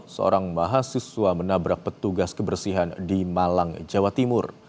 seorang mahasiswa menabrak petugas kebersihan di malang jawa timur